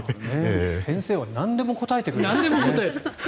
先生はなんでも答えてくれるんですね。